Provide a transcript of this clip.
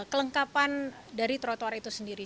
kelengkapan dari trotoar itu sendiri